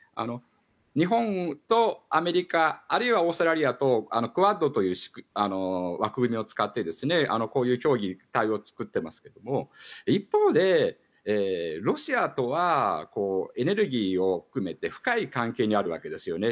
日本とアメリカあるいはオーストラリアとクアッドという枠組みを使ってこういう協議、対応を作っていますけど一方でロシアとはエネルギーを含めて深い関係にあるわけですよね。